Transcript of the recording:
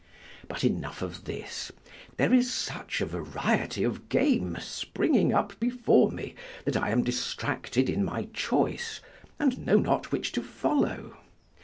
But enough of this: there is such a variety of game springing up before me, that I am distracted in my choice, and know not which to follow.